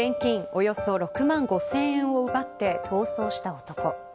およそ６万５０００円を奪って逃走した男。